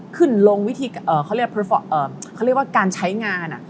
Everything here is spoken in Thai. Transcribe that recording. ขึ้นลงวิธีเขาเรียกว่าการใช้งาน